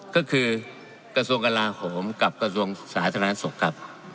ก็คือกระทรวงกลาโหมกับกระทรวงสาธารณสุขครับ